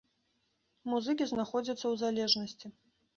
Музыкі знаходзяцца ў залежнасці.